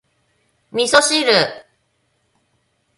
味噌汁